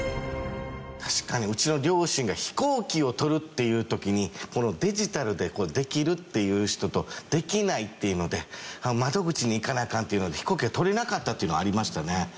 確かにうちの両親が飛行機を取るっていう時にデジタルでできるっていう人とできないっていうので窓口に行かなアカンっていうので飛行機が取れなかったっていうのはありましたね。